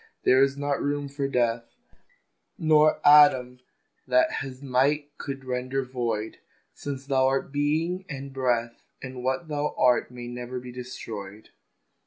There is not room for Death, Nor atom that his might could render void: Thou Thou art Being and Breath, And what Thou art may never be destroyed.